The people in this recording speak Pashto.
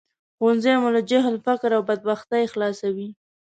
ښوونځی مو له جهل، فقر او بدبختۍ خلاصوي